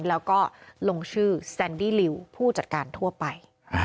แล้วก็ลงชื่อแซนดี้ลิวผู้จัดการทั่วไป